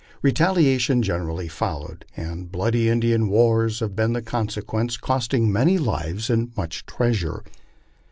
Retaliation generally followed, and bloody Indian wars have been the consequence, costing many lives and much treasure.